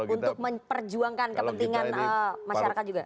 untuk memperjuangkan kepentingan masyarakat juga